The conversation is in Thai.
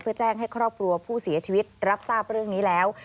เพื่อแจ้งให้ครอบครัวผู้เสียชีวิตรับทราบเรื่องนี้แล้ว